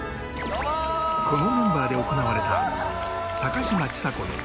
このメンバーで行われた高嶋ちさ子のザワつく！